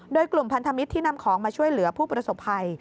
โดยกลุ่มพันธมิตรที่นำของมาช่วยเหลือผู้ประสบภัย